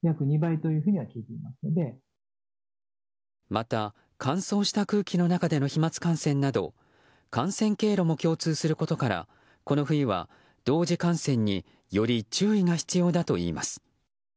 また、乾燥した空気の中での飛沫感染など感染経路も共通することからこの冬は同時感染により注意が必要だといいます。